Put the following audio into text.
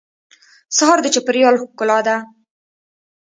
سهار د چاپېریال ښکلا ده.